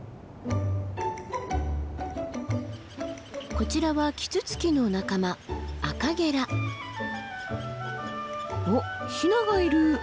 こちらはキツツキの仲間おっヒナがいる！